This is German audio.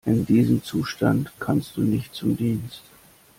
In diesem Zustand kannst du nicht zum Dienst.